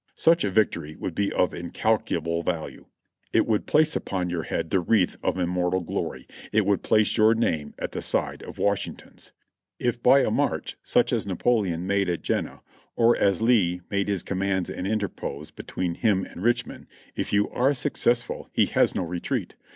Such a victory would be of incalculable value. It would place upon your head the wreath of immortal glory. It would place your name at the side of Washington's, "If by a march such as Napoleon made at Jena, or as Lee made his communications and interpose between him and Richmond, if you are successful he has no retreat.